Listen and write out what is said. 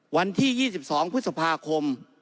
วันที่๒๒พฤษภาคม